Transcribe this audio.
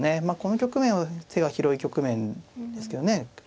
まあこの局面は手が広い局面ですけどね。